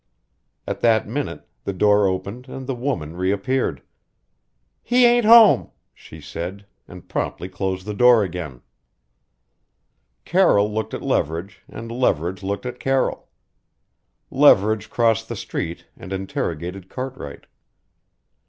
At that minute the door opened and the woman reappeared. "He ain't home!" she said, and promptly closed the door again. Carroll looked at Leverage and Leverage looked at Carroll. Leverage crossed the street and interrogated Cartwright.